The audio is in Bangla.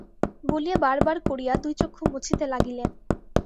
বলিয়া বার বার করিয়া দুই চক্ষু মুছিতে লাগিলেন।